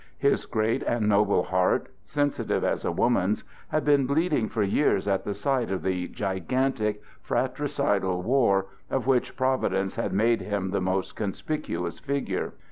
His great and noble heart, sensitive as a woman's, had been bleeding for years at the sight of the gigantic fratricidal war, of which Providence had made him the most conspicuous figure.